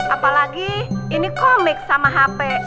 apalagi ini komik sama hp